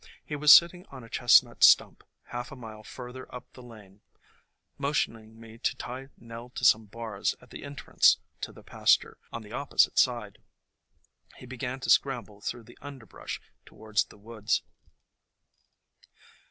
He was sitting on a chestnut stump, half a mile further up the lane. Motioning me to tie Nell to some bars at the entrance to the 12 THE COMING OF SPRING pasture on the opposite side, he began to scramble through the underbrush toward the woods.